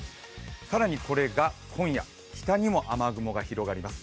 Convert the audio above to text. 更にこれが今夜、北にも雨雲が広がります。